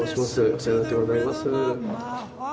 お世話になってございます